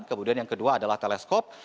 kemudian yang kedua adalah teleskop